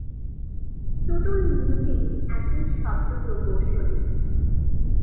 টুটুল নিজেই একজন শব্দ প্রকৌশলী।